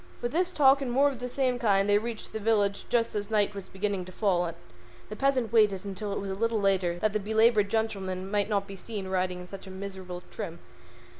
With this talk and more of the same kind they reached the village just as night was beginning to fall, but the peasant waited until it was a little later that the belaboured gentleman might not be seen riding in such a miserable trim.